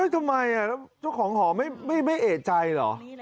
ทำไมเจ้าของหอไม่เอกใจเหรอ